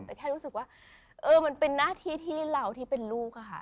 แต่แค่รู้สึกว่าเออมันเป็นหน้าที่ที่เราที่เป็นลูกค่ะ